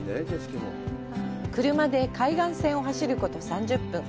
車で海岸線を走ること３０分。